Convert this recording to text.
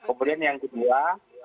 kemudian yang kedua